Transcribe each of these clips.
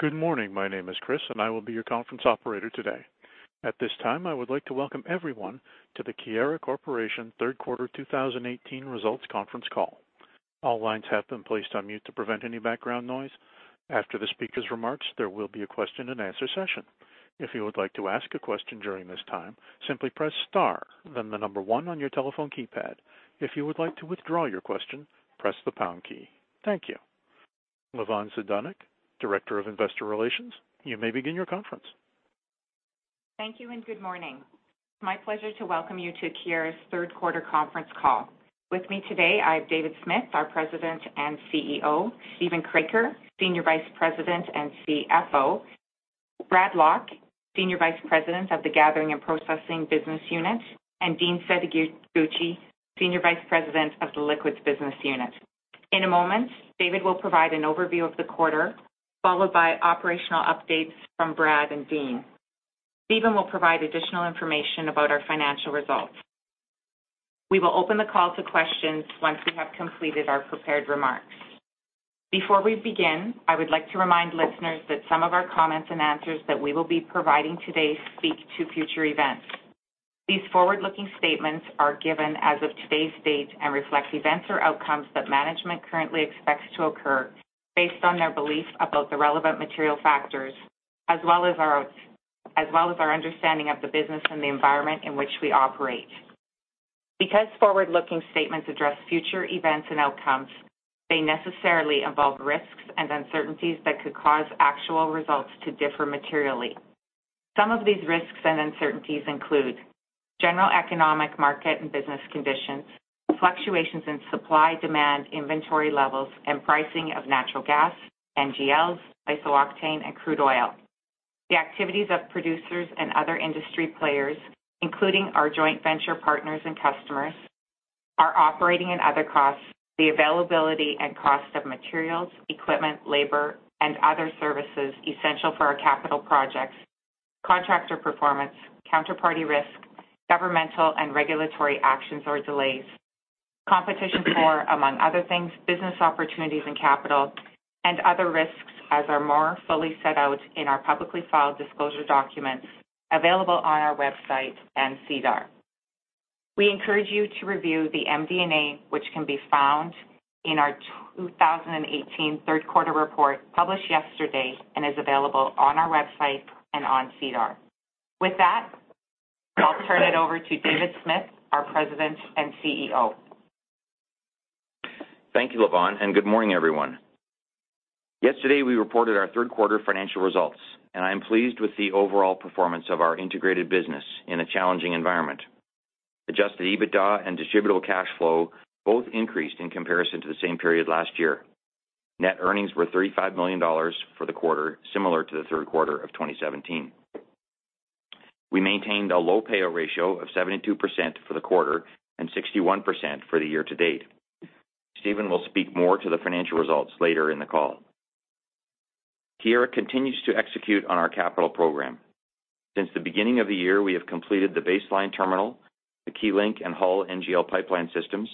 Good morning. My name is Chris, and I will be your conference operator today. At this time, I would like to welcome everyone to the Keyera Corp. Third Quarter 2018 Results Conference Call. All lines have been placed on mute to prevent any background noise. After the speaker's remarks, there will be a question-and-answer session. If you would like to ask a question during this time, simply press star, then the number one on your telephone keypad. If you would like to withdraw your question, press the pound key. Thank you. Lavonne Zdonik, Director of Investor Relations, you may begin your conference. Thank you, and good morning. It's my pleasure to welcome you to Keyera's third quarter conference call. With me today, I have David Smith, our President and CEO, Steven Kroeker, Senior Vice President and CFO, Brad Lock, Senior Vice President of the Gathering and Processing business unit, and Dean Setoguchi, Senior Vice President of the Liquids business unit. In a moment, David will provide an overview of the quarter, followed by operational updates from Brad and Dean. Steven will provide additional information about our financial results. We will open the call to questions once we have completed our prepared remarks. Before we begin, I would like to remind listeners that some of our comments and answers that we will be providing today speak to future events. These forward-looking statements are given as of today's date and reflect events or outcomes that management currently expects to occur based on their belief about the relevant material factors, as well as our understanding of the business and the environment in which we operate. Because forward-looking statements address future events and outcomes, they necessarily involve risks and uncertainties that could cause actual results to differ materially. Some of these risks and uncertainties include: general economic market and business conditions; fluctuations in supply, demand, inventory levels, and pricing of natural gas, NGLs, isooctane, and crude oil; the activities of producers and other industry players, including our joint venture partners and customers; our operating and other costs; the availability and cost of materials, equipment, labor, and other services essential for our capital projects; contractor performance; counterparty risk; governmental and regulatory actions or delays; competition for, among other things, business opportunities and capital; and other risks as are more fully set out in our publicly filed disclosure documents available on our website and SEDAR. We encourage you to review the MD&A, which can be found in our 2018 third-quarter report published yesterday and is available on our website and on SEDAR. With that, I'll turn it over to David Smith, our President and CEO. Thank you, Lavonne, and good morning, everyone. Yesterday, we reported our third-quarter financial results. I am pleased with the overall performance of our integrated business in a challenging environment. Adjusted EBITDA and distributable cash flow both increased in comparison to the same period last year. Net earnings were 35 million dollars for the quarter, similar to the third quarter of 2017. We maintained a low payout ratio of 72% for the quarter and 61% for the year to date. Steven will speak more to the financial results later in the call. Keyera continues to execute on our capital program. Since the beginning of the year, we have completed the Base Line Terminal, the KeyLink and Hull NGL pipeline systems,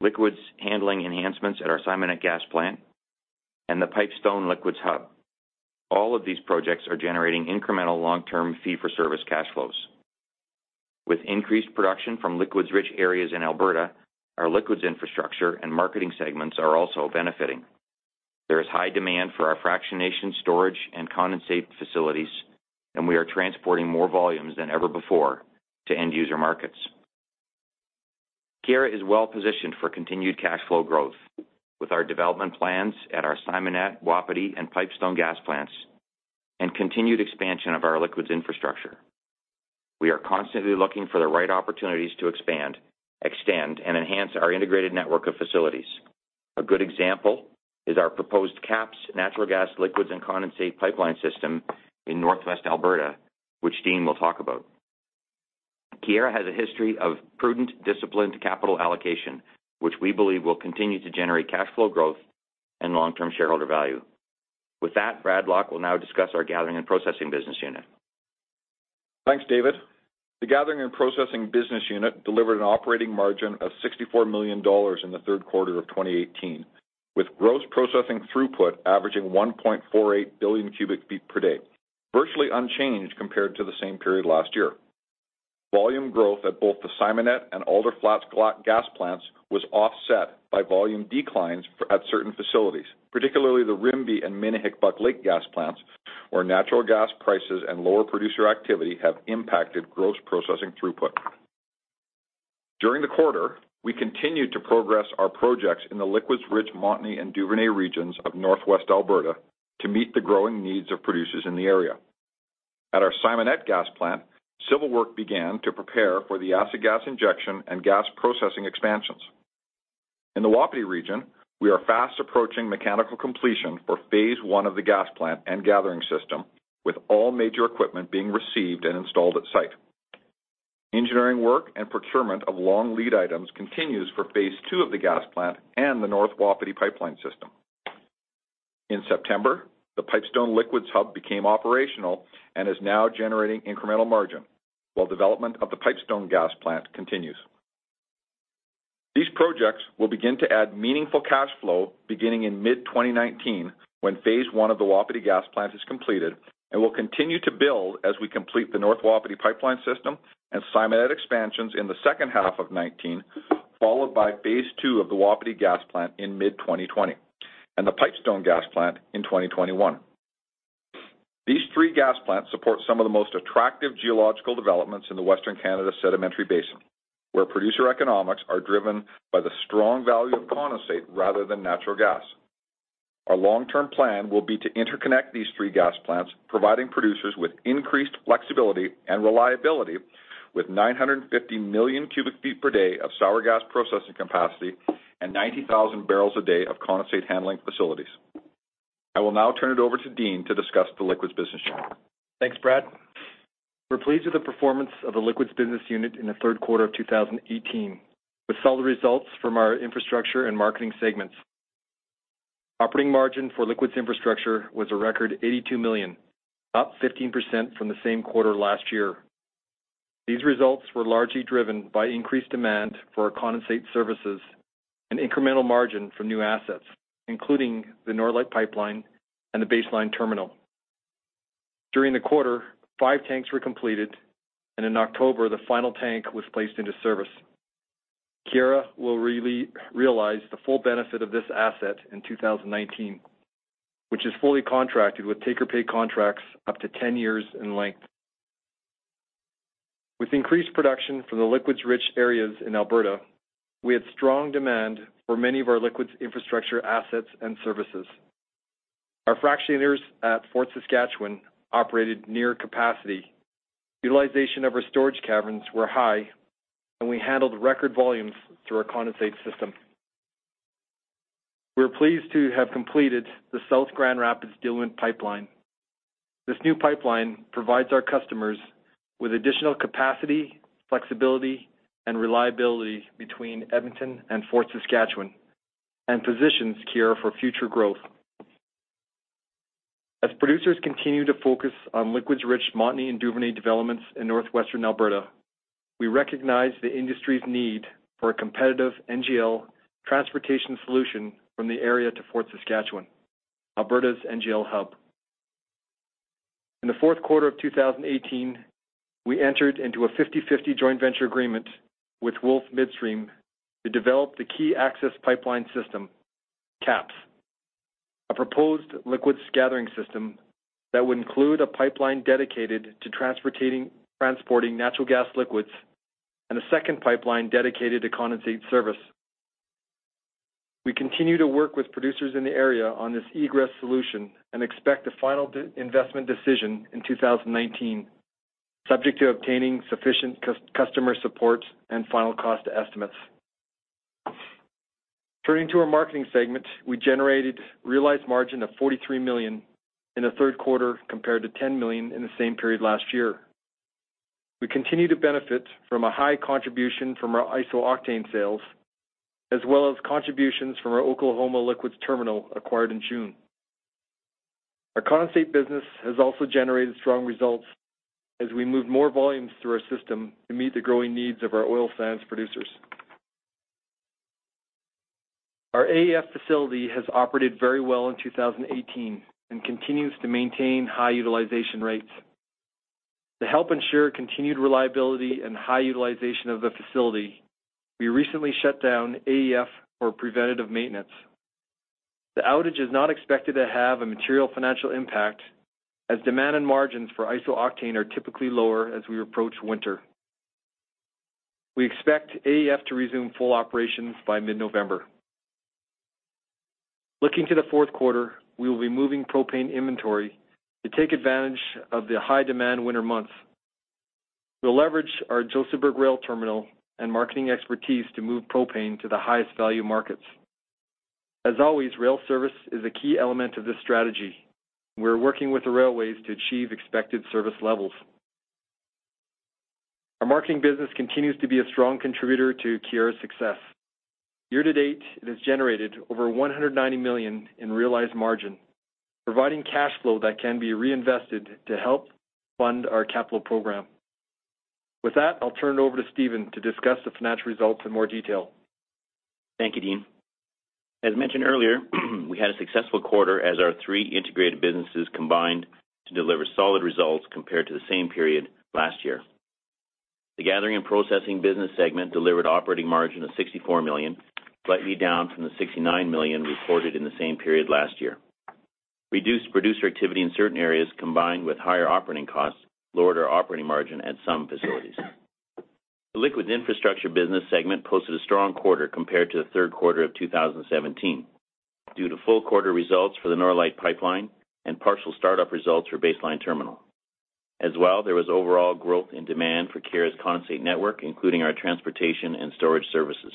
liquids handling enhancements at our Simonette gas plant, and the Pipestone Liquids Hub. All of these projects are generating incremental long-term fee-for-service cash flows. With increased production from liquids-rich areas in Alberta, our liquids infrastructure and marketing segments are also benefiting. There is high demand for our fractionation storage and condensate facilities. We are transporting more volumes than ever before to end-user markets. Keyera is well-positioned for continued cash flow growth with our development plans at our Simonette, Wapiti, and Pipestone gas plants and continued expansion of our liquids infrastructure. We are constantly looking for the right opportunities to expand, extend, and enhance our integrated network of facilities. A good example is our proposed KAPS, natural gas, liquids, and condensate pipeline system in Northwest Alberta, which Dean will talk about. Keyera has a history of prudent, disciplined capital allocation, which we believe will continue to generate cash flow growth and long-term shareholder value. With that, Brad Lock will now discuss our Gathering and Processing business unit. Thanks, David. The Gathering and Processing business unit delivered an operating margin of 64 million dollars in the third quarter of 2018, with gross processing throughput averaging 1.48 billion cubic feet per day, virtually unchanged compared to the same period last year. Volume growth at both the Simonette and Alder Flats gas plants was offset by volume declines at certain facilities, particularly the Rimbey and Minnehik Buck Lake gas plants, where natural gas prices and lower producer activity have impacted gross processing throughput. During the quarter, we continued to progress our projects in the liquids-rich Montney and Duvernay regions of Northwest Alberta to meet the growing needs of producers in the area. At our Simonette gas plant, civil work began to prepare for the acid gas injection and gas processing expansions. In the Wapiti region, we are fast approaching mechanical completion for phase 1 of the gas plant and gathering system, with all major equipment being received and installed at site. Engineering work and procurement of long lead items continues for phase 2 of the gas plant and the North Wapiti pipeline system. In September, the Pipestone Liquids Hub became operational and is now generating incremental margin, while development of the Pipestone gas plant continues These projects will begin to add meaningful cash flow beginning in mid-2019 when phase 1 of the Wapiti Gas Plant is completed and will continue to build as we complete the North Wapiti Pipeline System and Simonette expansions in the second half of 2019, followed by phase 2 of the Wapiti Gas Plant in mid-2020, and the Pipestone gas plant in 2021. These three gas plants support some of the most attractive geological developments in the Western Canada Sedimentary Basin, where producer economics are driven by the strong value of condensate rather than natural gas. Our long-term plan will be to interconnect these three gas plants, providing producers with increased flexibility and reliability with 950 million cubic feet per day of sour gas processing capacity and 90,000 barrels a day of condensate handling facilities. I will now turn it over to Dean to discuss the liquids business chapter. Thanks, Brad. We're pleased with the performance of the liquids business unit in the third quarter of 2018 with solid results from our infrastructure and marketing segments. Operating margin for liquids infrastructure was a record 82 million, up 15% from the same quarter last year. These results were largely driven by increased demand for our condensate services and incremental margin from new assets, including the Norlite Pipeline and the Base Line Terminal. During the quarter, five tanks were completed, and in October, the final tank was placed into service. Keyera will realize the full benefit of this asset in 2019, which is fully contracted with take-or-pay contracts up to 10 years in length. With increased production from the liquids-rich areas in Alberta, we had strong demand for many of our liquids infrastructure assets and services. Our fractionators at Fort Saskatchewan operated near capacity. Utilization of our storage caverns were high, and we handled record volumes through our condensate system. We are pleased to have completed the South Grand Rapids Diluent Pipeline. This new pipeline provides our customers with additional capacity, flexibility, and reliability between Edmonton and Fort Saskatchewan and positions Keyera for future growth. As producers continue to focus on liquids-rich Montney and Duvernay developments in northwestern Alberta, we recognize the industry's need for a competitive NGL transportation solution from the area to Fort Saskatchewan, Alberta's NGL hub. In the fourth quarter of 2018, we entered into a 50/50 joint venture agreement with Wolf Midstream to develop the Key Access Pipeline System, KAPS, a proposed liquids gathering system that would include a pipeline dedicated to transporting natural gas liquids and a second pipeline dedicated to condensate service. We continue to work with producers in the area on this egress solution and expect a final investment decision in 2019, subject to obtaining sufficient customer support and final cost estimates. Turning to our marketing segment, we generated realized margin of 43 million in the third quarter compared to 10 million in the same period last year. We continue to benefit from a high contribution from our isooctane sales, as well as contributions from our Oklahoma Liquids Terminal acquired in June. Our condensate business has also generated strong results as we move more volumes through our system to meet the growing needs of our oil sands producers. Our AEF facility has operated very well in 2018 and continues to maintain high utilization rates. To help ensure continued reliability and high utilization of the facility, we recently shut down AEF for preventative maintenance. The outage is not expected to have a material financial impact as demand and margins for isooctane are typically lower as we approach winter. We expect AEF to resume full operations by mid-November. Looking to the fourth quarter, we will be moving propane inventory to take advantage of the high-demand winter months. We'll leverage our Josephburg rail terminal and marketing expertise to move propane to the highest value markets. As always, rail service is a key element of this strategy. We're working with the railways to achieve expected service levels. Our marketing business continues to be a strong contributor to Keyera's success. Year to date, it has generated over 190 million in realized margin, providing cash flow that can be reinvested to help fund our capital program. With that, I'll turn it over to Steven to discuss the financial results in more detail. Thank you, Dean. As mentioned earlier, we had a successful quarter as our three integrated businesses combined to deliver solid results compared to the same period last year. The Gathering and Processing business segment delivered operating margin of 64 million, slightly down from the 69 million reported in the same period last year. Reduced producer activity in certain areas, combined with higher operating costs, lowered our operating margin at some facilities. The Liquids Infrastructure business segment posted a strong quarter compared to the third quarter of 2017 due to full-quarter results for the Norlite Pipeline and partial start-up results for Baseline Terminal. As well, there was overall growth in demand for Keyera's condensate network, including our transportation and storage services.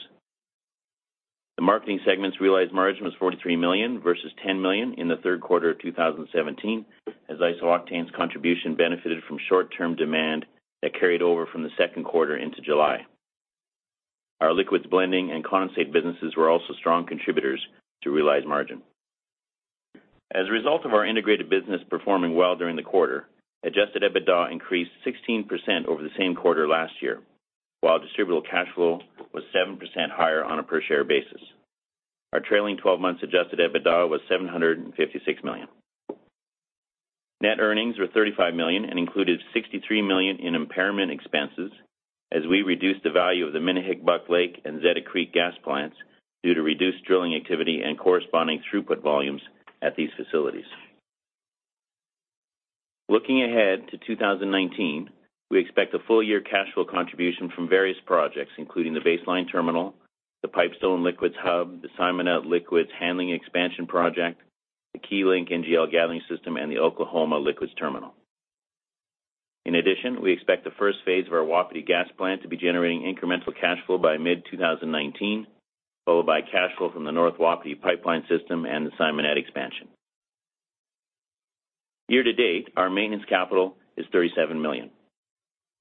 The Marketing segment's realized margin was 43 million versus 10 million in the third quarter of 2017, as isooctane's contribution benefited from short-term demand that carried over from the second quarter into July. Our liquids blending and condensate businesses were also strong contributors to realized margin. As a result of our integrated business performing well during the quarter, Adjusted EBITDA increased 16% over the same quarter last year, while distributable cash flow was 7% higher on a per-share basis. Our trailing 12 months Adjusted EBITDA was 756 million. Net earnings were 35 million and included 63 million in impairment expenses as we reduced the value of the Minnehik, Buck Lake, and Zeta Creek gas plants due to reduced drilling activity and corresponding throughput volumes at these facilities. Looking ahead to 2019, we expect a full-year cash flow contribution from various projects, including the Baseline Terminal, the Pipestone Liquids Hub, the Simonette Liquids Handling Expansion Project, the KeyLink NGL Gathering System, and the Oklahoma Liquids Terminal. In addition, we expect the first phase of our Wapiti gas plant to be generating incremental cash flow by mid-2019, followed by cash flow from the North Wapiti Pipeline System and the Simonette expansion. Year-to-date, our maintenance capital is 37 million.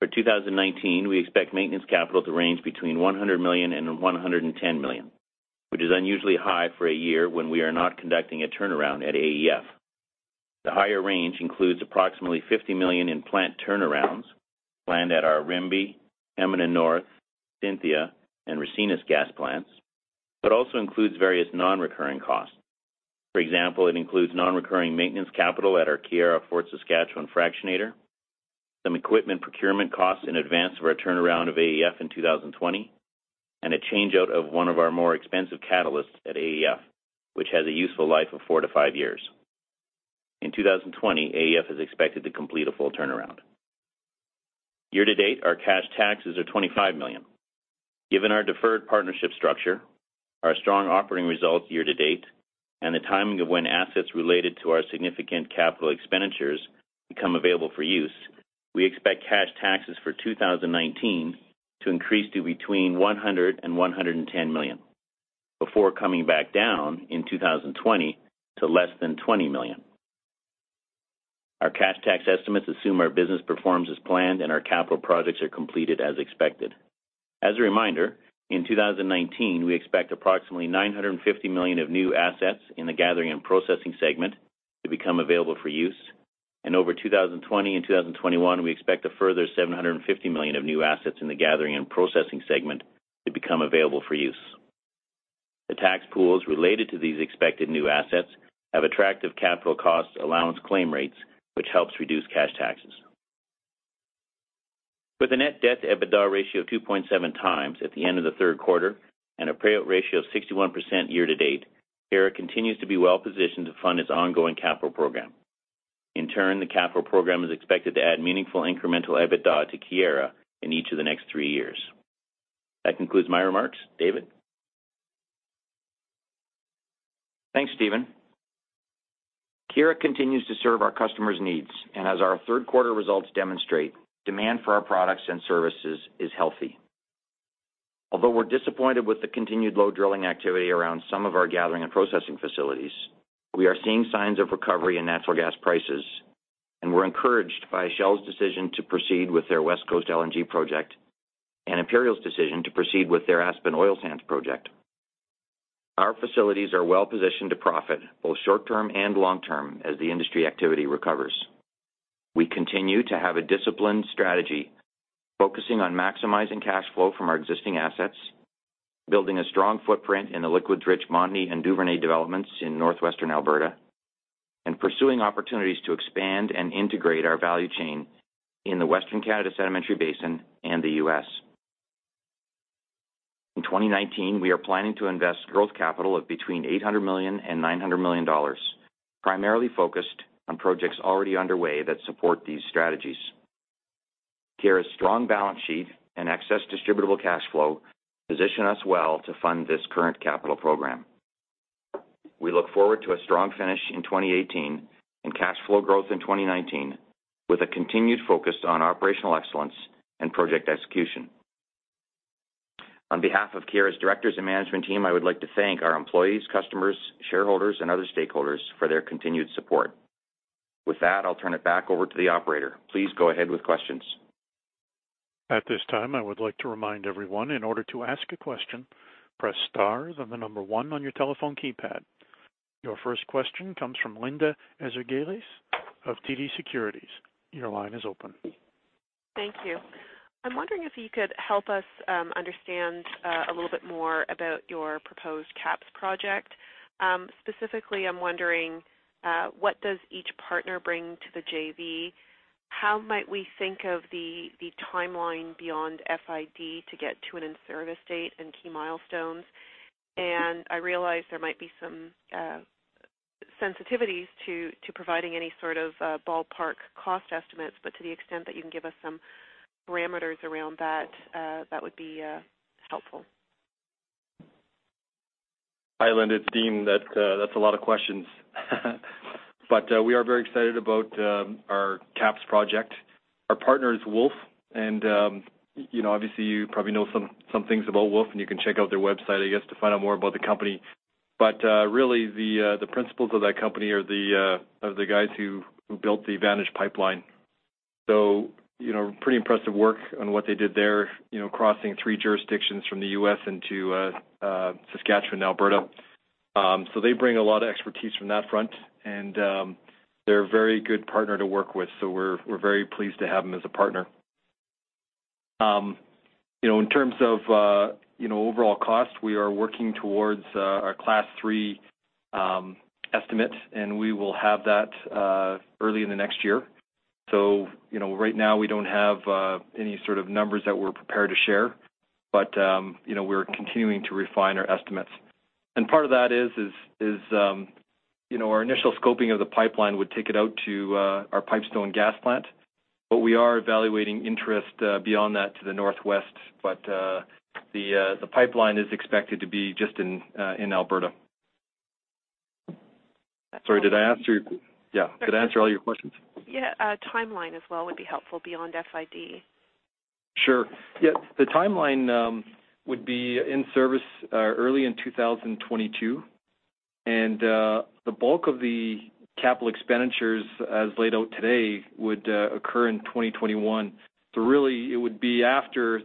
For 2019, we expect maintenance capital to range between 100 million and 110 million, which is unusually high for a year when we are not conducting a turnaround at AEF. The higher range includes approximately 50 million in plant turnarounds planned at our Rimbey, Hemina North, Cynthia, and Ricinus gas plants, but also includes various non-recurring costs. For example, it includes non-recurring maintenance capital at our Keyera Fort Saskatchewan fractionator, some equipment procurement costs in advance of our turnaround of AEF in 2020, and a changeout of one of our more expensive catalysts at AEF, which has a useful life of four to five years. In 2020, AEF is expected to complete a full turnaround. Year-to-date, our cash taxes are 25 million. Given our deferred partnership structure, our strong operating results year-to-date, and the timing of when assets related to our significant capital expenditures become available for use, we expect cash taxes for 2019 to increase to between 100 million and 110 million before coming back down in 2020 to less than 20 million. Our cash tax estimates assume our business performs as planned and our capital projects are completed as expected. As a reminder, in 2019, we expect approximately 950 million of new assets in the Gathering and Processing segment to become available for use. Over 2020 and 2021, we expect a further 750 million of new assets in the Gathering and Processing segment to become available for use. The tax pools related to these expected new assets have attractive capital cost allowance claim rates, which helps reduce cash taxes. With a net debt-to-EBITDA ratio of 2.7 times at the end of the third quarter and a payout ratio of 61% year-to-date, Keyera continues to be well-positioned to fund its ongoing capital program. In turn, the capital program is expected to add meaningful incremental EBITDA to Keyera in each of the next three years. That concludes my remarks. David? Thanks, Steven. Keyera continues to serve our customers' needs, as our third quarter results demonstrate, demand for our products and services is healthy. Although we're disappointed with the continued low drilling activity around some of our Gathering and Processing facilities, we are seeing signs of recovery in natural gas prices, and we're encouraged by Shell's decision to proceed with their West Coast LNG project and Imperial's decision to proceed with their Aspen oil sands project. Our facilities are well-positioned to profit, both short-term and long-term, as the industry activity recovers. We continue to have a disciplined strategy focusing on maximizing cash flow from our existing assets, building a strong footprint in the liquids-rich Montney and Duvernay developments in northwestern Alberta, and pursuing opportunities to expand and integrate our value chain in the Western Canada Sedimentary Basin and the U.S. In 2019, we are planning to invest growth capital of between 800 million and 900 million dollars, primarily focused on projects already underway that support these strategies. Keyera's strong balance sheet and excess distributable cash flow position us well to fund this current capital program. We look forward to a strong finish in 2018 and cash flow growth in 2019, with a continued focus on operational excellence and project execution. On behalf of Keyera's directors and management team, I would like to thank our employees, customers, shareholders, and other stakeholders for their continued support. With that, I'll turn it back over to the operator. Please go ahead with questions. At this time, I would like to remind everyone, in order to ask a question, press star, then the number one on your telephone keypad. Your first question comes from Linda Ezergailis of TD Securities. Your line is open. Thank you. I'm wondering if you could help us understand a little bit more about your proposed KAPS project. Specifically, I'm wondering what does each partner bring to the JV? How might we think of the timeline beyond FID to get to an in-service date and key milestones? I realize there might be some sensitivities to providing any sort of ballpark cost estimates, but to the extent that you can give us some parameters around that would be helpful. Hi, Linda. It's Dean. That's a lot of questions. We are very excited about our KAPS project. Our partner is Wolf, and obviously, you probably know some things about Wolf, and you can check out their website, I guess, to find out more about the company. Really, the principals of that company are the guys who built the Advantage Pipeline Pretty impressive work on what they did there, crossing three jurisdictions from the U.S. into Saskatchewan, Alberta. They bring a lot of expertise from that front, and they're a very good partner to work with. We're very pleased to have them as a partner. In terms of overall cost, we are working towards our Class 3 estimate, and we will have that early in the next year. Right now we don't have any sort of numbers that we're prepared to share, but we're continuing to refine our estimates. Part of that is our initial scoping of the pipeline would take it out to our Pipestone Liquids Hub, but we are evaluating interest beyond that to the northwest. The pipeline is expected to be just in Alberta. Sorry, did I answer all your questions? Yeah. A timeline as well would be helpful beyond FID. Sure. Yeah, the timeline would be in service early in 2022. The bulk of the capital expenditures as laid out today would occur in 2021. Really, it would be after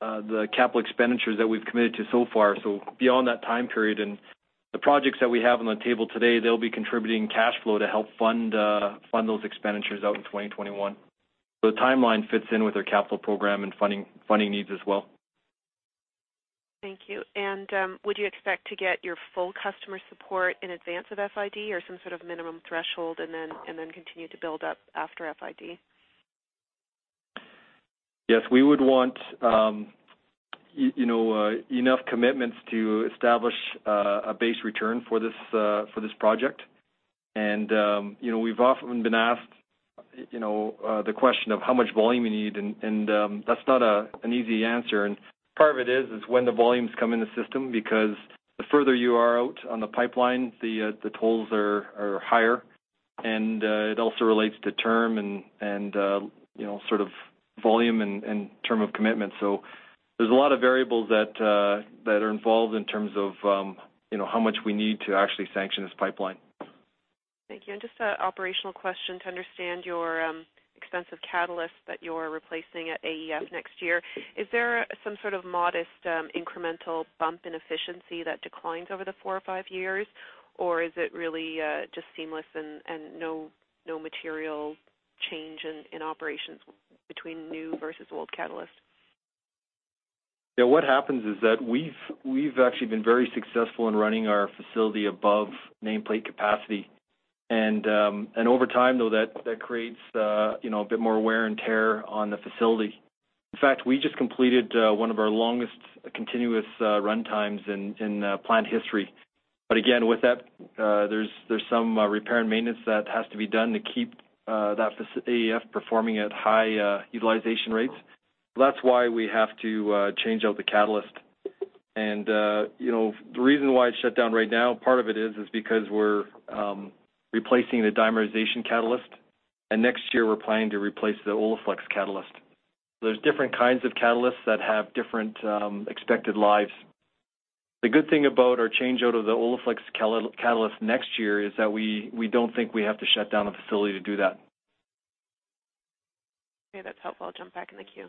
the capital expenditures that we've committed to so far. Beyond that time period. The projects that we have on the table today, they'll be contributing cash flow to help fund those expenditures out in 2021. The timeline fits in with our capital program and funding needs as well. Thank you. Would you expect to get your full customer support in advance of FID or some sort of minimum threshold, and then continue to build up after FID? Yes, we would want enough commitments to establish a base return for this project. We've often been asked the question of how much volume you need, and that's not an easy answer. Part of it is when the volumes come in the system, because the further you are out on the pipeline, the tolls are higher. It also relates to term and sort of volume and term of commitment. There's a lot of variables that are involved in terms of how much we need to actually sanction this pipeline. Thank you. Just an operational question to understand your expensive catalyst that you are replacing at AEF next year. Is there some sort of modest incremental bump in efficiency that declines over the four or five years, or is it really just seamless and no material change in operations between new versus old catalyst? Yeah, what happens is that we've actually been very successful in running our facility above nameplate capacity. Over time, though, that creates a bit more wear and tear on the facility. In fact, we just completed one of our longest continuous runtimes in plant history. Again, with that, there's some repair and maintenance that has to be done to keep that AEF performing at high utilization rates. That's why we have to change out the catalyst. The reason why it's shut down right now, part of it is because we're replacing the dimerization catalyst, and next year we're planning to replace the Oleflex catalyst. There's different kinds of catalysts that have different expected lives. The good thing about our change out of the Oleflex catalyst next year is that we don't think we have to shut down the facility to do that. Okay, that's helpful. I'll jump back in the queue.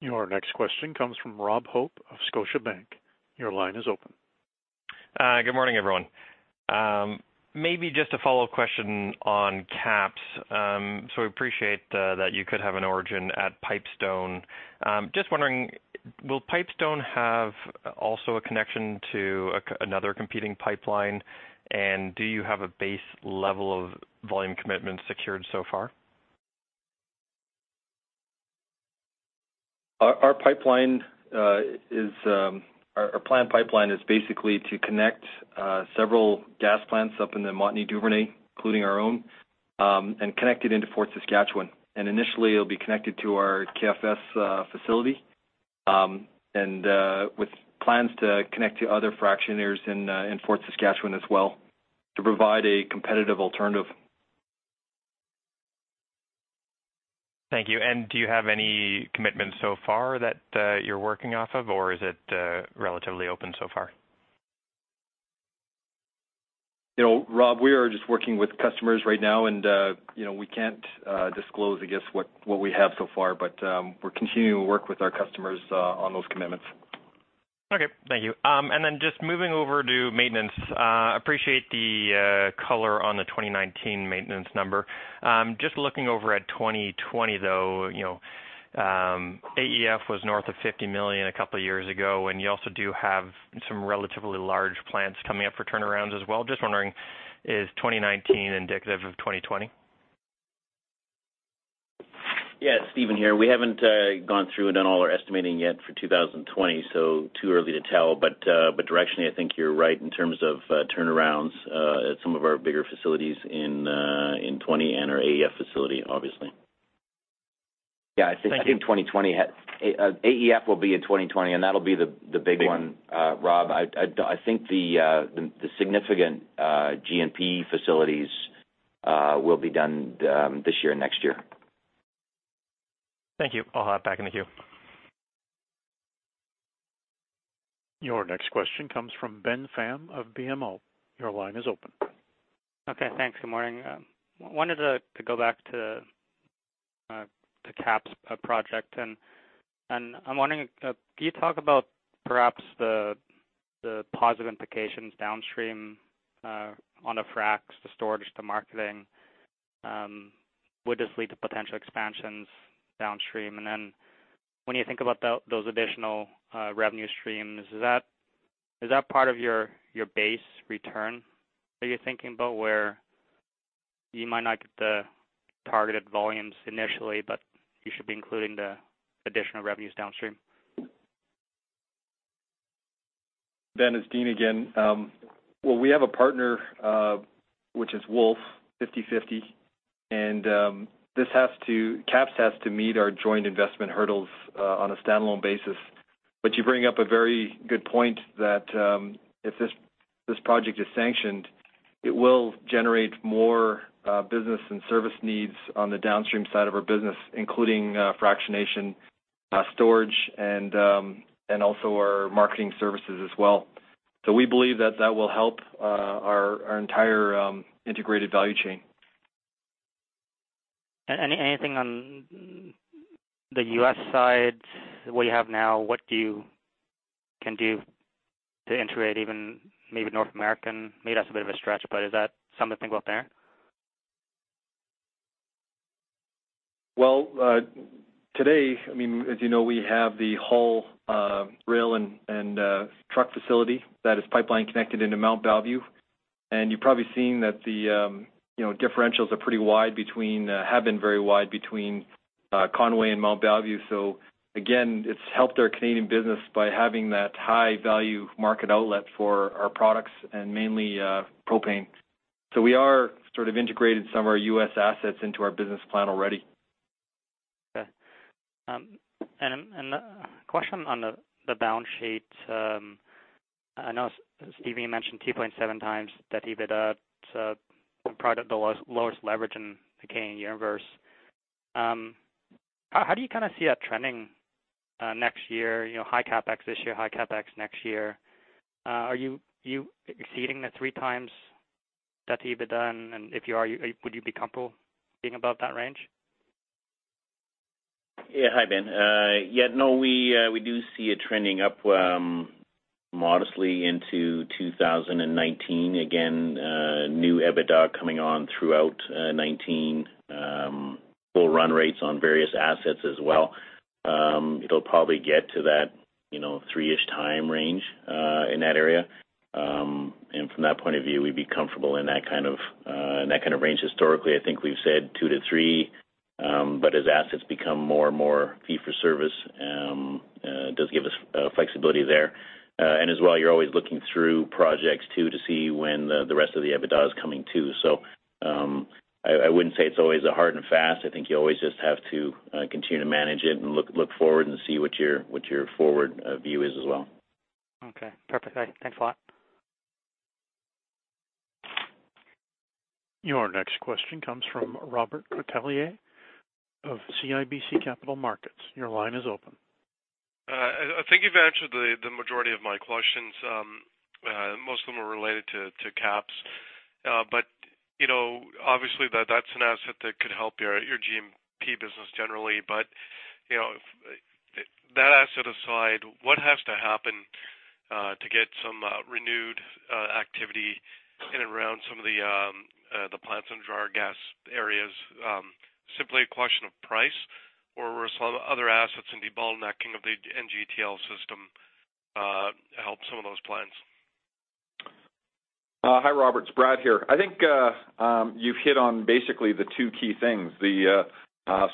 Your next question comes from Robert Hope of Scotiabank. Your line is open. Good morning, everyone. Maybe just a follow-up question on KAPS. We appreciate that you could have an origin at Pipestone. Just wondering, will Pipestone have also a connection to another competing pipeline, and do you have a base level of volume commitment secured so far? Our planned pipeline is basically to connect several gas plants up in the Montney-Duvernay, including our own, and connect it into Fort Saskatchewan. Initially, it'll be connected to our KFS facility, with plans to connect to other fractionators in Fort Saskatchewan as well to provide a competitive alternative. Thank you. Do you have any commitments so far that you're working off of, or is it relatively open so far? Rob, we are just working with customers right now, we can't disclose, I guess, what we have so far. We're continuing to work with our customers on those commitments. Okay, thank you. Just moving over to maintenance. Appreciate the color on the 2019 maintenance number. Just looking over at 2020, though, AEF was north of 50 million a couple of years ago, and you also do have some relatively large plants coming up for turnarounds as well. Just wondering, is 2019 indicative of 2020? Yeah, it's Steven here. We haven't gone through and done all our estimating yet for 2020, too early to tell. Directionally, I think you're right in terms of turnarounds at some of our bigger facilities in 2020 and our AEF facility, obviously. Yeah. Thank you. AEF will be in 2020, that'll be the big one, Rob. I think the significant G&P facilities will be done this year, next year. Thank you. I'll hop back in the queue Your next question comes from Ben Pham of BMO. Your line is open. Okay, thanks. Good morning. Wanted to go back to the KAPS project. I'm wondering, can you talk about perhaps the positive implications downstream, on the fracs, the storage, the marketing? Would this lead to potential expansions downstream? When you think about those additional revenue streams, is that part of your base return? Are you thinking about where you might not get the targeted volumes initially, but you should be including the additional revenues downstream? Ben, it's Dean again. Well, we have a partner, which is Wolf, 50/50. KAPS has to meet our joint investment hurdles on a standalone basis. You bring up a very good point that, if this project is sanctioned, it will generate more business and service needs on the downstream side of our business, including fractionation, storage, and also our marketing services as well. We believe that that will help our entire integrated value chain. Anything on the U.S. side, what you have now, what can you do to integrate even maybe North American? Maybe that's a bit of a stretch, but is that something to think about there? Well, today, as you know, we have the whole rail and truck facility that is pipeline connected into Mont Belvieu. You've probably seen that the differentials have been very wide between Conway and Mont Belvieu. Again, it's helped our Canadian business by having that high-value market outlet for our products and mainly propane. We are sort of integrated some of our U.S. assets into our business plan already. Okay. A question on the balance sheet. I know, Steve, you mentioned 2.7 times that Adjusted EBITDA to probably the lowest leverage in the Canadian universe. How do you see that trending next year? High CapEx this year, high CapEx next year. Are you exceeding the 3 times that Adjusted EBITDA, and if you are, would you be comfortable being above that range? Yeah. Hi, Ben. We do see it trending up modestly into 2019. Again, new Adjusted EBITDA coming on throughout 2019. Full run rates on various assets as well. It'll probably get to that 3-ish time range, in that area. From that point of view, we'd be comfortable in that kind of range. Historically, I think we've said 2 to 3. But as assets become more and more fee-for-service, it does give us flexibility there. As well, you're always looking through projects, too, to see when the rest of the Adjusted EBITDA is coming, too. I wouldn't say it's always a hard and fast. I think you always just have to continue to manage it and look forward and see what your forward view is as well. Okay. Perfect. Thanks a lot. Your next question comes from Robert Catellier of CIBC Capital Markets. Your line is open. I think you've answered the majority of my questions. Most of them are related to KAPS. Obviously, that's an asset that could help your G&P business generally. That asset aside, what has to happen to get some renewed activity in and around some of the plants under our gas areas? Simply a question of price or some other assets and debottlenecking of the NGTL system help some of those plants? Hi, Robert. It's Brad here. I think you've hit on basically the two key things.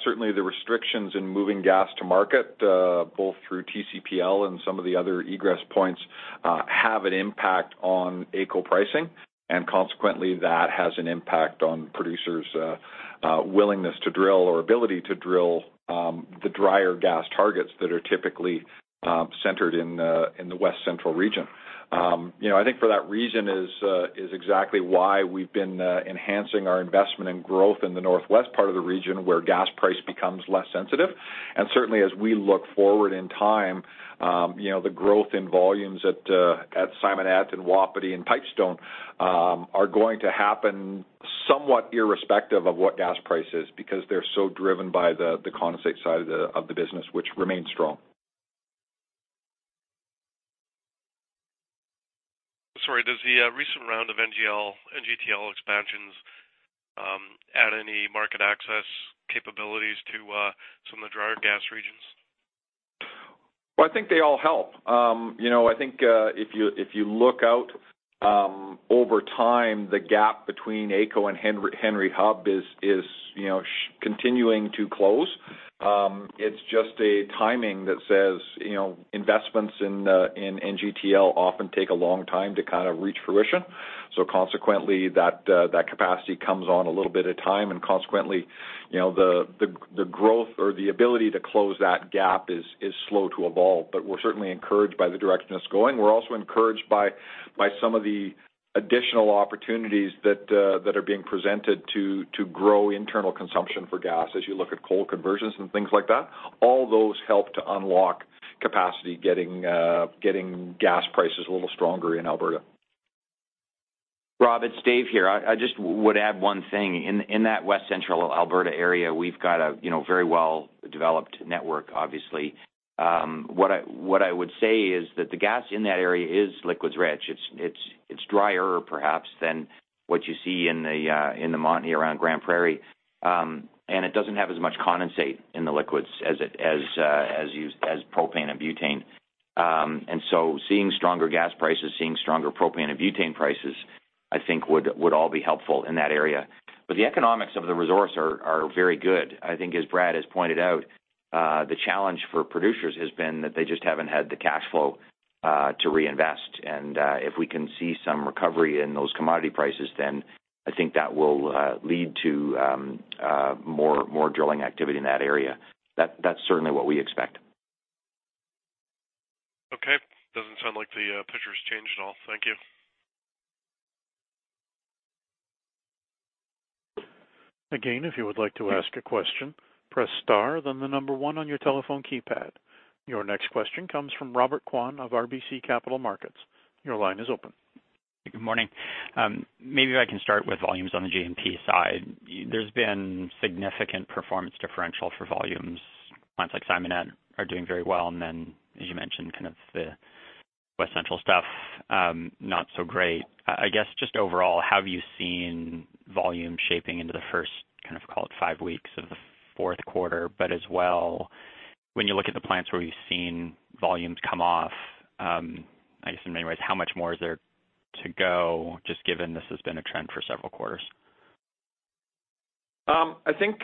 Certainly, the restrictions in moving gas to market, both through TCPL and some of the other egress points, have an impact on AECO pricing, and consequently, that has an impact on producers' willingness to drill or ability to drill the drier gas targets that are typically centered in the West Central Region. I think for that reason is exactly why we've been enhancing our investment and growth in the northwest part of the region, where gas price becomes less sensitive. Certainly, as we look forward in time, the growth in volumes at Simonette and Wapiti and Pipestone are going to happen somewhat irrespective of what gas price is, because they're so driven by the condensate side of the business, which remains strong. Sorry, does the recent round of NGTL expansions add any market access capabilities to some of the drier gas regions? Well, I think they all help. I think, if you look out over time, the gap between AECO and Henry Hub is continuing to close. It's just a timing that says investments in NGTL often take a long time to reach fruition. Consequently, that capacity comes on a little bit at a time, and consequently, the growth or the ability to close that gap is slow to evolve. We're certainly encouraged by the direction it's going. We're also encouraged by some of the additional opportunities that are being presented to grow internal consumption for gas as you look at coal conversions and things like that. All those help to unlock capacity, getting gas prices a little stronger in Alberta. Rob, it's Dave here. I just would add one thing. In that West Central Alberta area, we've got a very well-developed network, obviously. What I would say is that the gas in that area is liquids rich. It's drier perhaps than what you see in the Montney around Grande Prairie. It doesn't have as much condensate in the liquids as propane and butane. Seeing stronger gas prices, seeing stronger propane and butane prices, I think would all be helpful in that area. The economics of the resource are very good. I think, as Brad has pointed out, the challenge for producers has been that they just haven't had the cash flow to reinvest. If we can see some recovery in those commodity prices, then I think that will lead to more drilling activity in that area. That's certainly what we expect. Okay. Doesn't sound like the picture's changed at all. Thank you. Again, if you would like to ask a question, press star, then the number one on your telephone keypad. Your next question comes from Robert Kwan of RBC Capital Markets. Your line is open. Good morning. Maybe I can start with volumes on the G&P side. There's been significant performance differential for volumes. Plants like Simonette are doing very well, and then as you mentioned, the West Central stuff, not so great. I guess, just overall, have you seen volume shaping into the first call it five weeks of the fourth quarter, but as well, when you look at the plants where you've seen volumes come off, I guess in many ways, how much more is there to go just given this has been a trend for several quarters? I think,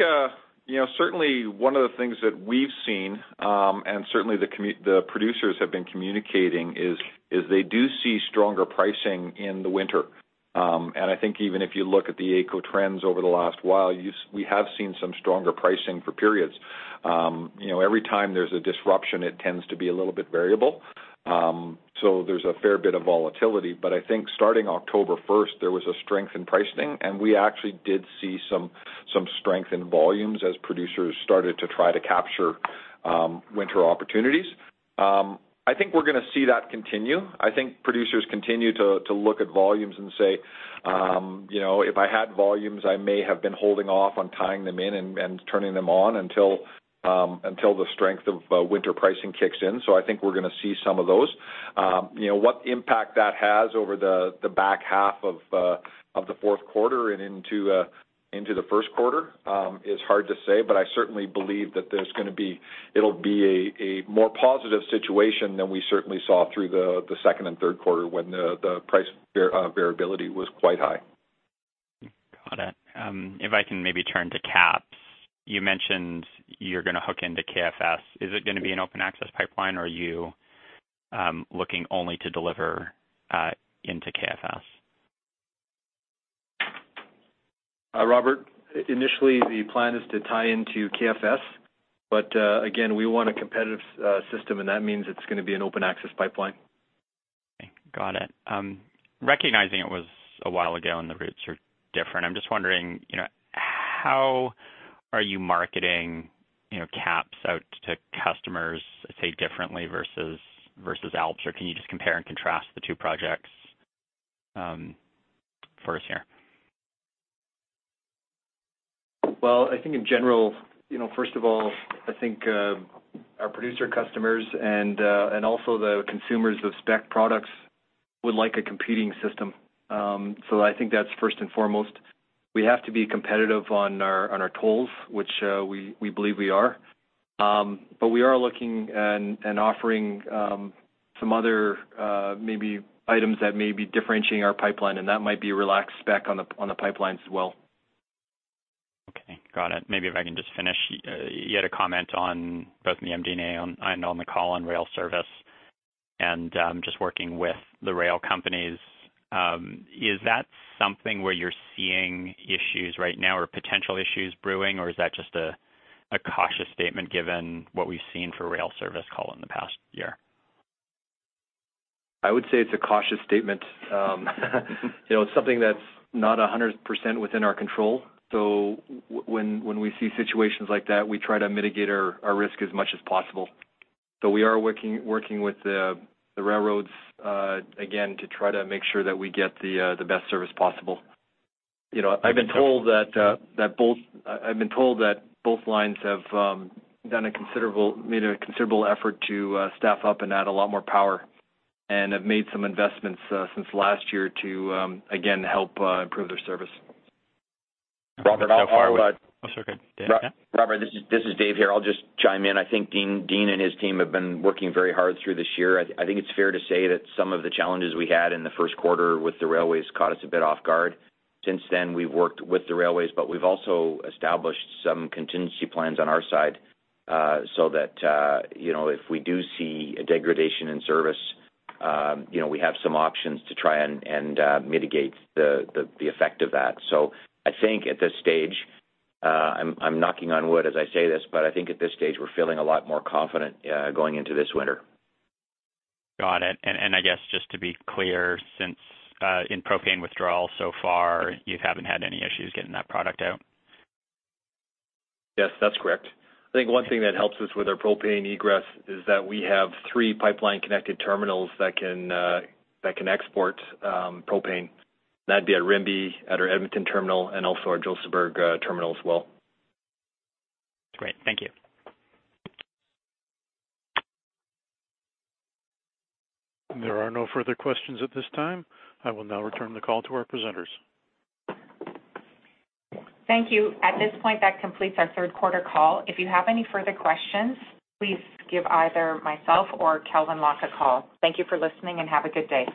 certainly one of the things that we've seen, and certainly the producers have been communicating, is they do see stronger pricing in the winter. I think even if you look at the AECO trends over the last while, we have seen some stronger pricing for periods. Every time there's a disruption, it tends to be a little bit variable. There's a fair bit of volatility, but I think starting October 1st, there was a strength in pricing, and we actually did see some strength in volumes as producers started to try to capture winter opportunities. I think we're going to see that continue. I think producers continue to look at volumes and say, "If I had volumes, I may have been holding off on tying them in and turning them on until the strength of winter pricing kicks in." I think we're going to see some of those. What impact that has over the back half of the fourth quarter and into the first quarter is hard to say, but I certainly believe that it'll be a more positive situation than we certainly saw through the second and third quarter when the price variability was quite high. Got it. If I can maybe turn to KAPS. You mentioned you're going to hook into KFS. Is it going to be an open access pipeline, or are you looking only to deliver into KFS? Robert, initially the plan is to tie into KFS, but again, we want a competitive system, and that means it's going to be an open access pipeline. Okay. Got it. Recognizing it was a while ago and the routes are different, I'm just wondering how are you marketing KAPS out to customers, say differently versus ALPS? Can you just compare and contrast the two projects for us here? Well, I think in general, first of all, I think our producer customers and also the consumers of spec products would like a competing system. I think that's first and foremost. We have to be competitive on our tolls, which we believe we are. We are looking and offering some other maybe items that may be differentiating our pipeline, and that might be relaxed spec on the pipelines as well. Okay. Got it. Maybe if I can just finish. You had a comment on both the MD&A and on the call on rail service and just working with the rail companies. Is that something where you're seeing issues right now or potential issues brewing, or is that just a cautious statement given what we've seen for rail service call in the past year? I would say it's a cautious statement. It's something that's not 100% within our control. When we see situations like that, we try to mitigate our risk as much as possible. We are working with the railroads, again, to try to make sure that we get the best service possible. I've been told that both lines have made a considerable effort to staff up and add a lot more power and have made some investments since last year to, again, help improve their service. Robert, this is Dave here. I'll just chime in. I think Dean and his team have been working very hard through this year. I think it's fair to say that some of the challenges we had in the first quarter with the railways caught us a bit off guard. Since then, we've worked with the railways, but we've also established some contingency plans on our side, so that if we do see a degradation in service, we have some options to try and mitigate the effect of that. I think at this stage, I'm knocking on wood as I say this, but I think at this stage we're feeling a lot more confident going into this winter. Got it. I guess, just to be clear, since in propane withdrawal so far, you haven't had any issues getting that product out? Yes, that's correct. I think one thing that helps us with our propane egress is that we have three pipeline-connected terminals that can export propane. That'd be at Rimbey, at our Edmonton terminal, and also our Josephburg terminal as well. Great. Thank you. There are no further questions at this time. I will now return the call to our presenters. Thank you. At this point, that completes our third quarter call. If you have any further questions, please give either myself or Calvin Locke a call. Thank you for listening and have a good day.